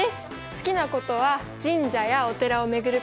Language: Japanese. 好きなことは神社やお寺を巡ること